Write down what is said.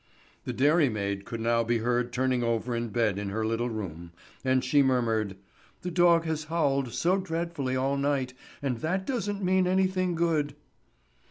The dairymaid could now be heard turning over in bed in her little room, and she murmured: "The dog has howled so dreadfully all night, and that doesn't mean anything good."